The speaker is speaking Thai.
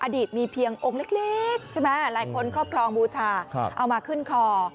อดีตมีเพียงองค์เล็กใช่ไหมหลายคนครอบครองบูชาเอามาขึ้นคอ